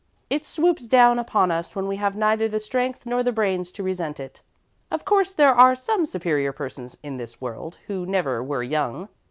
It swoops down upon us when we have neither the strength nor the brains to resent it. Of course there are some superior persons in this world who never were young.